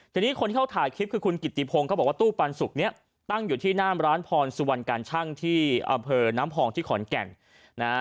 ทีนี้คนที่เขาถ่ายคลิปคือคุณกิติพงศ์เขาบอกว่าตู้ปันสุกนี้ตั้งอยู่ที่หน้ามร้านพรสุวรรณการชั่งที่อำเภอน้ำพองที่ขอนแก่นนะฮะ